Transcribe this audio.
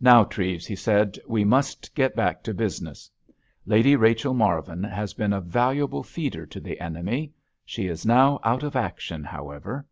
"Now, Treves," he said, "we must get back to business. Lady Rachel Marvin has been a valuable 'feeder' to the enemy. She is now out of action, however.